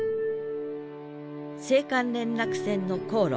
青函連絡船の航路